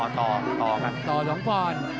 ต่อ๒ปอนด์